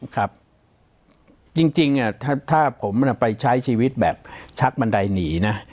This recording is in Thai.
ครับจริงถ้าผมไปใช้ชีวิตแบบชักบันไดหนีนะ